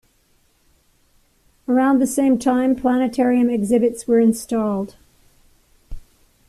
Around the same time, planetarium exhibits were installed.